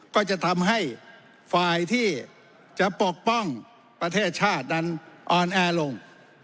ก็จะทำให้ฝ่ายที่จะปกป้องประเทศชาตินั้นอ่อนแอลง